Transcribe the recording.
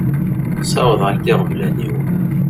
Ssawḍeɣ-ak-d iɣeblan-iw.